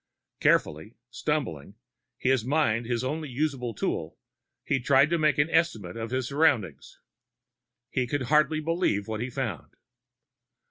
Carefully, stumbling his mind his only usable tool he tried to make an estimate of his surroundings. He could hardly believe what he found.